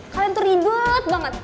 kalian tuh ribet banget